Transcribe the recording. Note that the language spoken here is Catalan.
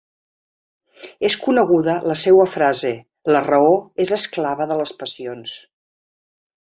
És coneguda la seua frase «La raó és esclava de les passions».